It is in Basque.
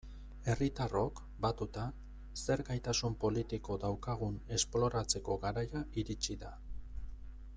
Herritarrok, batuta, zer gaitasun politiko daukagun esploratzeko garaia iritsi da.